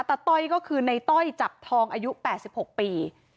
ต้อยก็คือในต้อยจับทองอายุ๘๖ปี